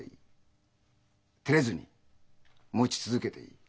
てれずに持ち続けていい。